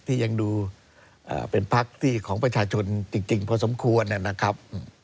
ที่ยังดูเป็นพักที่ของประชาชนจริงพอสมควรนะครับ